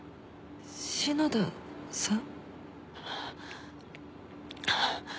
篠田さん？